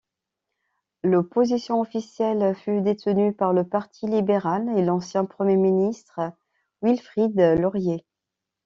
L'Opposition officielle fut détenue par le Parti libéral et l'ancien premier ministre Wilfrid Laurier.